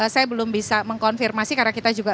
saya belum bisa mengkonfirmasi karena kita juga